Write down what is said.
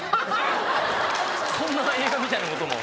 そんな映画みたいなことも？